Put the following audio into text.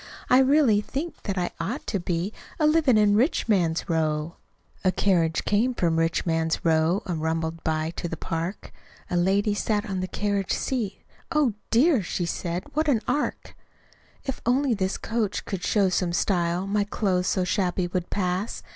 I really think that I ought to be A livin' in Rich Man's Row." A carriage came from "Rich Man's Row," An' rumbled by to the park. A lady sat on the carriage seat; "Oh, dear," said she, "what an ark! "If only this coach could show some style, My clothes, so shabby, would pass.